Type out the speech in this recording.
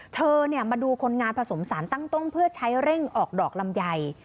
เธอมาดูคนงานผสมสารตั้งต้นเพื่อใช้เร่งออกดอกลำไย